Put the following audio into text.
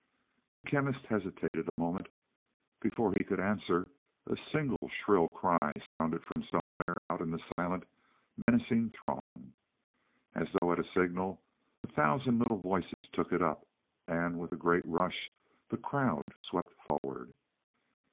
The Chemist hesitated a moment. Before he could answer, a single shrill cry sounded from somewhere out in the silent, menacing throng. As though at a signal, a thousand little voices took it up, and with a great rush the crowd swept forward.